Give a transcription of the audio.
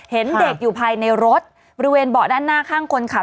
เห็นเด็กอยู่ภายในรถบริเวณเบาะด้านหน้าข้างคนขับ